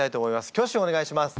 挙手をお願いします。